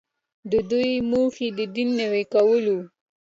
د دوی موخه د دین نوی کول وو.